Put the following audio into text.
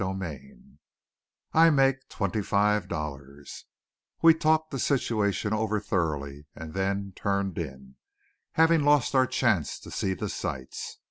CHAPTER XI I MAKE TWENTY FIVE DOLLARS We talked the situation over thoroughly, and then turned in, having lost our chance to see the sights.